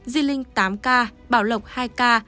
di linh tám ca bảo lộc hai ca